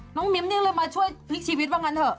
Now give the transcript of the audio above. หรอน้องมิ้มนี่เลยมาช่วยพลิกชีวิตบ้างกันเถอะ